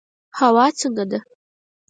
هوا څنګه ده؟